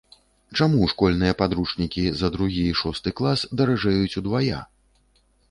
Чаму школьныя падручнікі за другі і шосты клас даражэюць удвая?